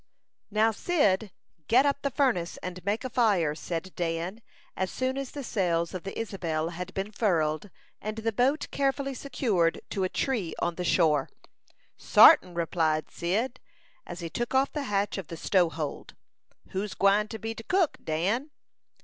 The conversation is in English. "Now, Cyd, get up the furnace, and make a fire," said Dan, as soon as the sails of the Isabel had been furled, and the boat carefully secured to a tree on the shore. "Sartin," replied Cyd, as he took off the hatch of the stow hold. "Who's gwine to be de cook, Dan?"